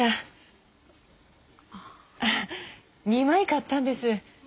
２枚買ったんです。